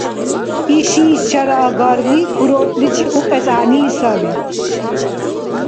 Ишис чараагарли курортличи укьес гӀягӀнили саби